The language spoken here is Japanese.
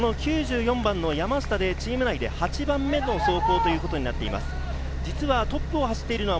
９４番の山下で、チーム内で８番目の走行ということになっています。